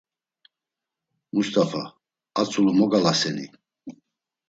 “Must̆afa, a tzulu mogalaseni?”